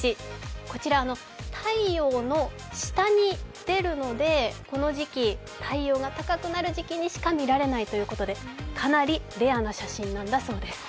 こちら、太陽の下に出るのでこの時期、太陽が高くなる時期にしか見られないということでかなりレアな写真なんだそうです。